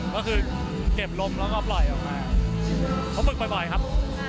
ก็คือเก็บลมแล้วก็ปล่อยออกมาเขาฝึกบ่อยครับ